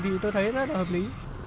thì tôi thấy rất là vui